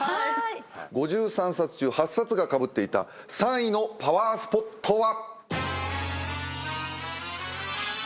５３冊中８冊がかぶっていた３位のパワースポットは？